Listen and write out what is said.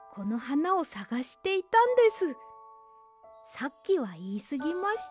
さっきはいいすぎました。